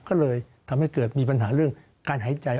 ก็เลยทำให้เกิดมีปัญหาเรื่องการหายใจ